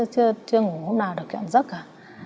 chưa ngủ hôm nào được nhận giấc cả